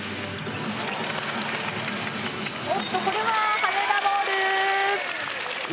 おっとこれは羽田ボール。